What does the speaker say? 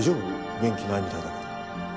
元気ないみたいだけど。